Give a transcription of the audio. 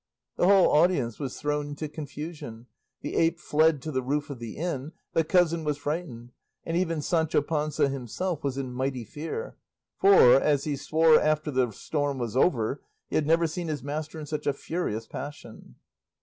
The whole audience was thrown into confusion, the ape fled to the roof of the inn, the cousin was frightened, and even Sancho Panza himself was in mighty fear, for, as he swore after the storm was over, he had never seen his master in such a furious passion.